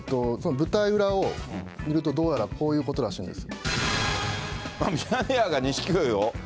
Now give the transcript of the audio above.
舞台裏を見ると、どうやらこういうことらしいんです。